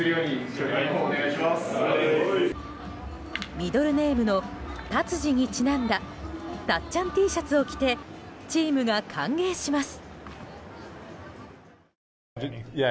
ミドルネームの達治にちなんだたっちゃんＴシャツを着てチームが歓迎します。